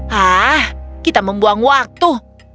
hah kita membuang waktu